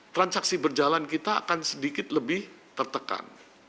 transaksi berjalan kita akan sedikit lebih tertekan